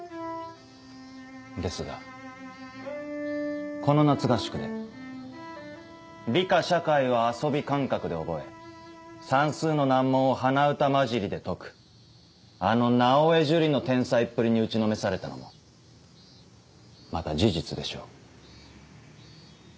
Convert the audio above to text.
ですがこの夏合宿で理科社会は遊び感覚で覚え算数の難問を鼻歌交じりで解くあの直江樹里の天才っぷりに打ちのめされたのもまた事実でしょう。